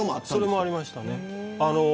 それもありました。